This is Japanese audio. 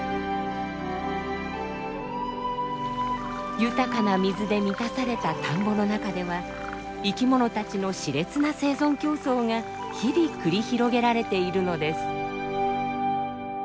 豊かな水で満たされた田んぼの中では生きものたちの熾烈な生存競争が日々繰り広げられているのです。